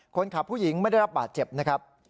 ผู้หญิงไม่ได้รับบาดเจ็บนะครับ